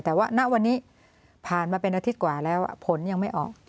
แต่ว่าณวันนี้ผ่านมาเป็นอาทิตย์กว่าแล้วผลยังไม่ออก